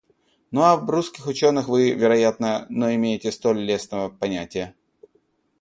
Ну, а об русских ученых вы, вероятно, но имеете столь лестного понятия?